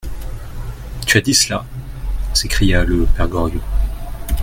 Tu as dit cela ! s'écria le père Goriot.